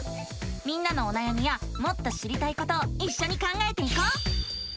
みんなのおなやみやもっと知りたいことをいっしょに考えていこう！